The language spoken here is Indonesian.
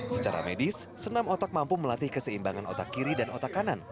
secara medis senam otak mampu melatih keseimbangan otak kiri dan otak kanan